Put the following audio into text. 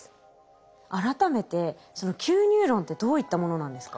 改めてそのＱニューロンってどういったものなんですか？